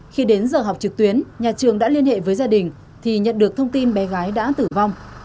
khi đến giờ học trực tuyến nhà trường đã liên hệ với gia đình thì nhận được thông tin bé gái đã tử vong